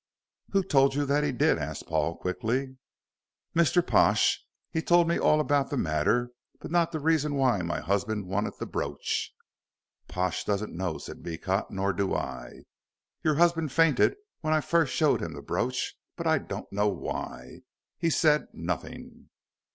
"Who told you that he did?" asked Paul, quickly. "Mr. Pash. He told me all about the matter, but not the reason why my husband wanted the brooch." "Pash doesn't know," said Beecot, "nor do I. Your husband fainted when I first showed him the brooch, but I don't know why. He said nothing."